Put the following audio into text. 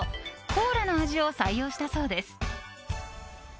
コーラの味を採用したそうです。